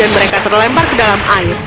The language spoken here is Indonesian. dan mereka terlempar ke dalam air